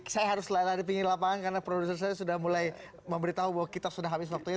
saya harus lari lari pinggir lapangan karena produser saya sudah mulai memberitahu bahwa kita sudah habis waktunya